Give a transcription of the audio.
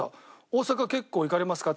「大阪結構行かれますか？」